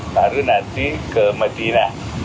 baru nanti ke medina